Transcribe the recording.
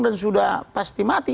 dan sudah pasti mati